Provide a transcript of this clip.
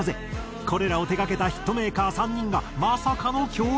これらを手がけたヒットメーカー３人がまさかの共演！